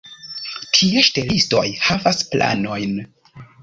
Tie ŝtelistoj havas planojn.